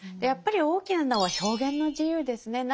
やっぱり大きなのは表現の自由ですね。